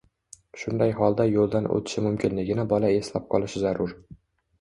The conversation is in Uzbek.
shunday holda yo‘ldan o‘tishi mumkinligini bola eslab qolishi zarur.